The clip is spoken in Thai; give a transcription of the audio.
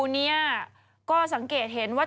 เนี่ยก็สังเกตเห็นว่า